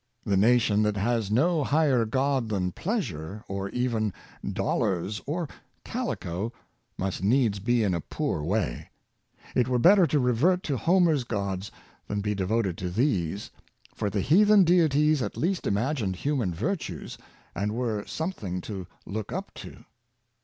The nation that has no higher god than pleasure, or even dollars or calico, must needs be in a poor way. It were better to revert to Homer's gods than be devoted to these, for the heathen deities at least imagined human virtues, and were something to look up to.